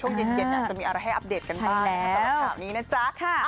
ช่วงเย็นจะมีอะไรให้อัปเดตกันบ้างตอนนี้นะจ๊ะ